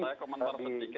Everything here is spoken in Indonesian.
saya komentar sedikit